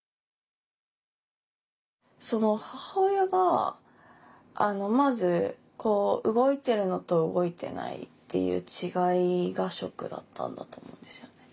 その母親がまず動いてるのと動いてないっていう違いがショックだったんだと思うんですよね。